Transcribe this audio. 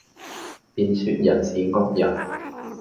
便說人是惡人。